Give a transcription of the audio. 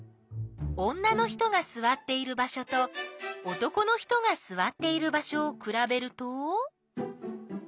女の人がすわっている場所と男の人がすわっている場所をくらべると。